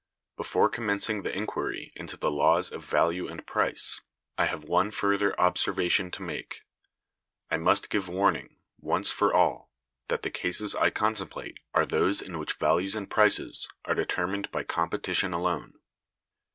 Before commencing the inquiry into the laws of value and price, I have one further observation to make. I must give warning, once for all, that the cases I contemplate are those in which values and prices are determined by competition alone.